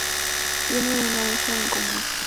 Tiene una hija en común.